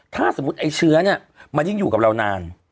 ถ้าสมมุติไอ้เชื้อนั่นได้มันยิ่งอยู่เรานาน